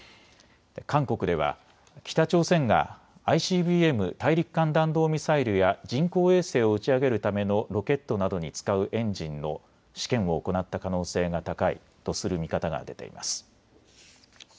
韓国では北朝鮮がＩＣＢＭ・大陸間弾道ミサイルや人工衛星を打ち上げるためのロケットなどに使うエンジンの試験を行った可能性が高いとする見方が出ています。